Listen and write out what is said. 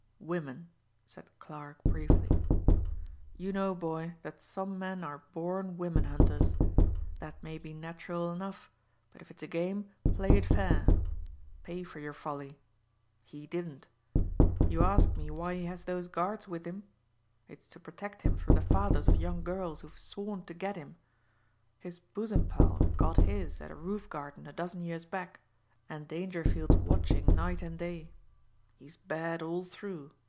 "Women," said Clarke briefly. "You know, boy, that some men are born women hunters. That may be natural enough; but if it's a game, play it fair. Pay for your folly. He didn't. You ask me why he has those guards with him? It's to protect him from the fathers of young girls who've sworn to get him. His bosom pal got his at a roof garden a dozen years back, and Dangerfield's watching night and day. He's bad all through.